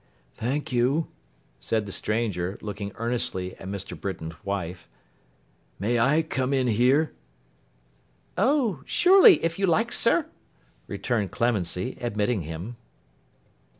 'Thank you,' said the stranger, looking earnestly at Mr. Britain's wife. 'May I come in here?' 'Oh, surely, if you like, sir,' returned Clemency, admitting him.